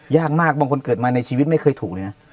ยากมากบางคนเกิดมาในชีวิตไม่เคยถูกเลยนะ